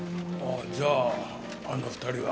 じゃああの２人は。